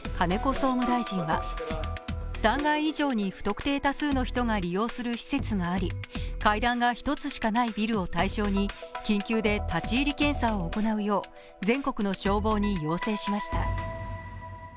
総務大臣は３階以上に不特定多数の人が利用する施設があり階段が１つしかないビルを対象に緊急で立ち入り検査を行うよう全国の消防に要請しました。